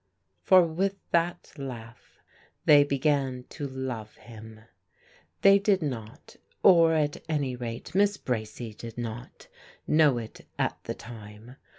For with that laugh they began to love him. They did not or at any rate Miss Bracy 'did not know it at the time.